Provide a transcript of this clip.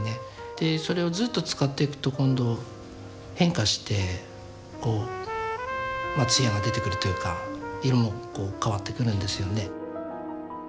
でそれをずっと使っていくと今度変化してこう艶が出てくるというか色もこう変わってくるんですよね。